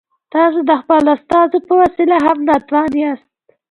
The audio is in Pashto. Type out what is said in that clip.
تاسو د خپلو استازو په وسیله هم ناتوان یاست.